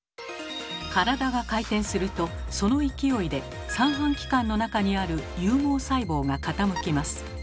体が回転するとその勢いで三半規管の中にある有毛細胞が傾きます。